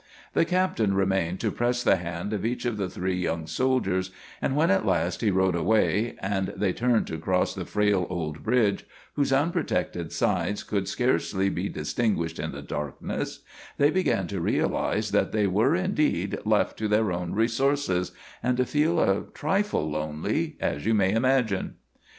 The captain remained to press the hand of each of the three young soldiers, and when at last he rode away and they turned to cross the frail old bridge, whose unprotected sides could scarcely be distinguished in the darkness, they began to realize that they were indeed left to their own resources, and to feel a trifle lonely, as you may imagine.